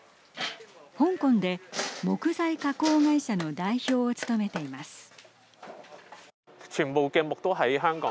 香港で木材加工会社の代表を務めています。